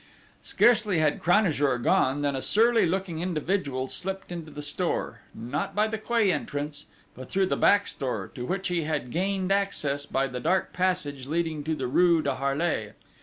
Scarcely had Cranajour gone, than a surly looking individual slipped into the store, not by the quay entrance, but through the back store, to which he had gained access by the dark passage leading to the rue de Harlay.